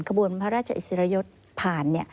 ขบวนพระราชอิสริยยศผ่าน